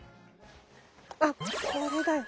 あっこれだよ。